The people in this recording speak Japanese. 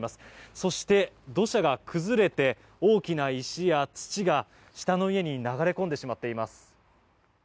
そして土砂が崩れて大きな石や土が下の家に流れ込んでしまっています。